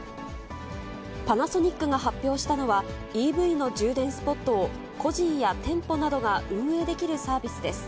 パナソニックが発表したのは、ＥＶの充電スポットを、個人や店舗などが運営できるサービスです。